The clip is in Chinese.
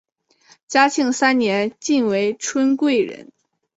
嘉庆三年晋为春贵人。